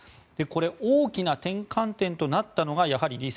これ、大きな転換点となったのがやはり２０１４年